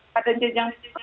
pada jenjang tersebut